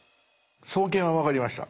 創建は分かりました。